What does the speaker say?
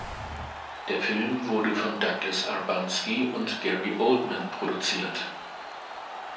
Der Film wurde von Douglas Urbanski und Gary Oldman produziert.